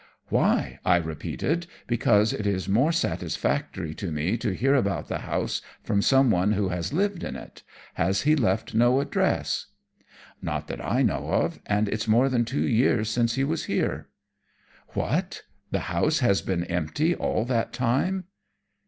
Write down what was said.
"Why!" I repeated. "Because it is more satisfactory to me to hear about the house from someone who has lived in it. Has he left no address?" "Not that I know of, and it's more than two years since he was here." "What! The house has been empty all that time?"